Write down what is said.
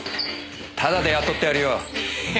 タダで雇ってやるよ。